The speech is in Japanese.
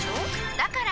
だから！